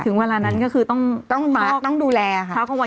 ถึงเวลานั้นก็คือต้องดูแลค่ะ